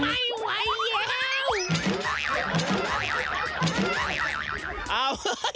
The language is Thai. ไม่ไหวแล้ว